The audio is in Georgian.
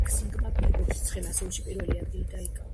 იქ სინგლმა ბილბორდის ცხელ ასეულში პირველი ადგილი დაიკავა.